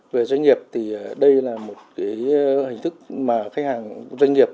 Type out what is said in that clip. về doanh nghiệp thì đây là một cái hình thức mà khách hàng doanh nghiệp